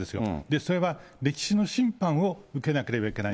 それは歴史の審判を受けなければいけない。